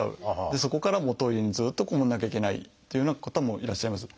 でそこからトイレにずっと籠もらなきゃいけないっていうような方もいらっしゃいます。